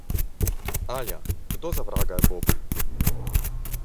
Alja, kdo za vraga je Bob?